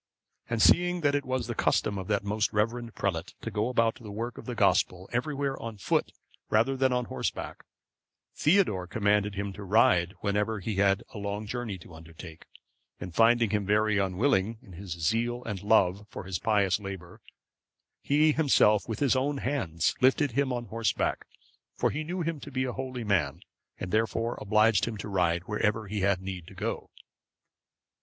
And, seeing that it was the custom of that most reverend prelate to go about the work of the Gospel everywhere on foot rather than on horseback, Theodore commanded him to ride whenever he had a long journey to undertake; and finding him very unwilling, in his zeal and love for his pious labour, he himself, with his own hands, lifted him on horseback; for he knew him to be a holy man, and therefore obliged him to ride wherever he had need to go.